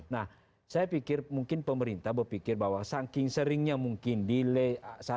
nah saya pikir mungkin pemerintah berpikir bahwa saking seringnya mungkin delay satu dua tiga empat lima